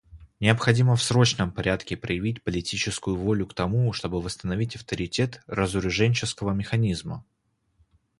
Необходимо в срочном порядке проявить политическую волю к тому, чтобы восстановить авторитет разоруженческого механизма.